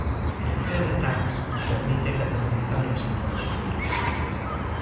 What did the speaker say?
El empleo de tags permite categorizar las informaciones.